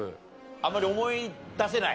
あんまり思い出せない？